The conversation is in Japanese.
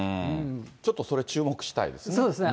ちょっとそれ注目したいですね。